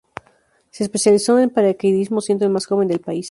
Se especializó en paracaidismo, siendo el más joven del país.